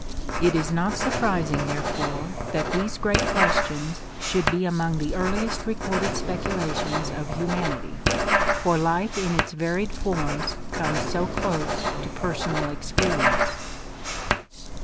It is not surprising, therefore, that these great questions should be among the earliest recorded speculations of humanity, for life in its varied forms comes so close to personal experience.